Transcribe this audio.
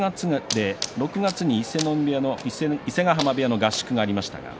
６月に伊勢ヶ濱部屋の合宿がありました。